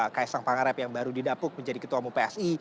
kaisang pangarep yang baru didapuk menjadi ketua umum psi